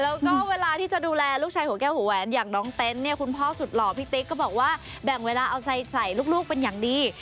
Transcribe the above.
แล้วก็เวลาที่จะดูแลลูกชายหัวแก้วหัวแหวนอย่างน้องเต็นต์เนี่ยคุณพ่อสุดหล่อพี่ติ๊กก็บอกว่าแบ่งเวลาเอาใจใส่ลูกเป็นอย่างดี